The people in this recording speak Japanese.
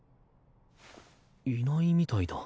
いないみたいだ。